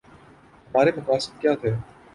ہمارے مقاصد کیا تھے؟